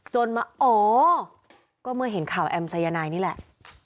จนมาอ๋อก็เมื่อเห็นข่าวแอมสายนายนี่แหละ